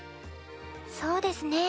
そうですね